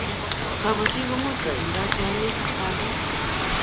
kabatik ko much kotindai tiangik ak bandek